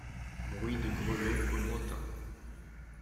Bruit de grelots au lointain.